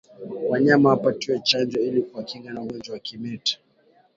Wanyama wapatiwe chanjo ili kuwakinga na ugonjwa wa kimeta